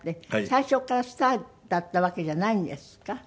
最初からスターだったわけじゃないんですか？